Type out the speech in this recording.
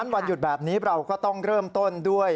วันหยุดแบบนี้เราก็ต้องเริ่มต้นด้วย